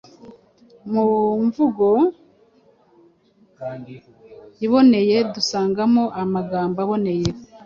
Mu mvugo iboneye dusangamo amagambo aboneye,